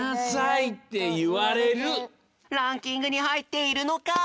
ランキングにはいっているのか！？